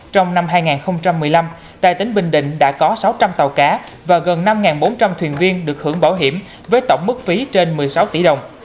trong năm hai nghìn một mươi năm tại tỉnh bình định đã có sáu trăm linh tàu cá và gần năm bốn trăm linh thuyền viên được hưởng bảo hiểm với tổng mức phí trên một mươi sáu tỷ đồng